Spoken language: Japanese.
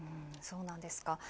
そうなんですか。